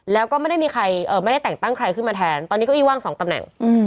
แล้วก็ไม่ได้มีใครไม่ได้แต่งตั้งใครขึ้นมาแทนตอนนี้เก้าอี้ว่างสองตำแหน่ง